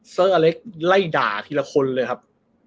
เซอร์อเล็กไล่ด่าทีละคนเลยครับ